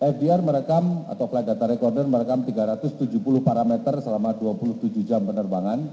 fdr merekam atau flight data recorder merekam tiga ratus tujuh puluh parameter selama dua puluh tujuh jam penerbangan